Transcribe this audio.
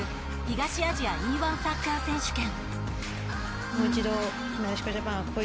東アジアＥ‐１サッカー選手権。